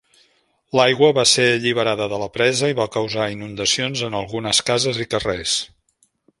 L'aigua va ser alliberada de la presa i va causar inundacions en algunes cases i carrers.